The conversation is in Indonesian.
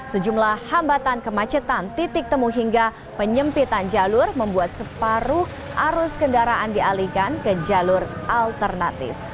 sejumlah hambatan kemacetan titik temu hingga penyempitan jalur membuat separuh arus kendaraan dialihkan ke jalur alternatif